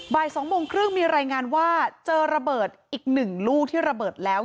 บ่าย๒โมงครึ่งมีรายงานว่าเจอระเบิดอีก๑ลูกที่ระเบิดแล้ว